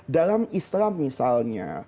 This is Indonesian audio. dalam islam misalnya